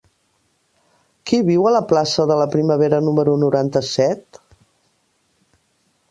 Qui viu a la plaça de la Primavera número noranta-set?